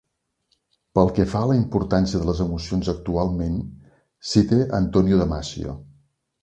Pel que fa a la importància de les emocions actualment, cite Antonio Damásio.